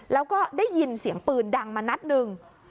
แล้วก็ได้ยินเสียงปืนดังมานัดหนึ่ง